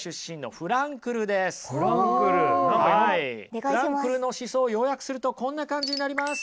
フランクルの思想を要約するとこんな感じになります。